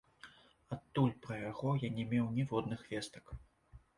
Адтуль пра яго я не меў ніводных вестак.